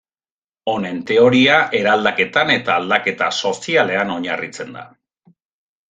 Honen teoria eraldaketan eta aldaketa sozialean oinarritzen da.